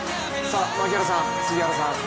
槙原さん、杉原さん